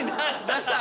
出した！